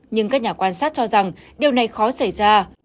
nhưng các nhà quan sát cho rằng điều này khó xảy ra